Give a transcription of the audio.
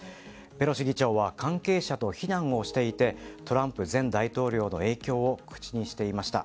ペロシ議長は関係者と避難をしていてトランプ前大統領の影響を口にしていました。